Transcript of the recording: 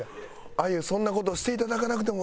あゆそんな事していただかなくても。